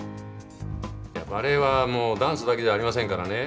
バレエはダンスだけじゃありませんからね